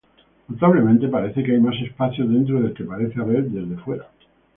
Notablemente, parece que hay más espacio dentro del que parece haber desde afuera.